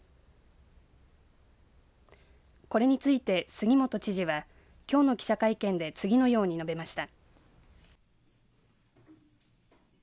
これについて杉本知事はきょうの記者会見で次のように述べました。